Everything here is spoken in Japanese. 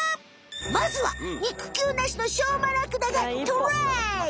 まずは肉球なしのしょうまラクダがトライ！